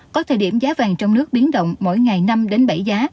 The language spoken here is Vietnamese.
có thời điểm giá vàng trong nước biến động mỗi ngày năm đến bảy giá